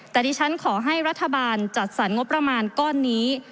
แต่ดิฉันขอให้รัฐบาลจัดสรรงบประมาณก้อนนี้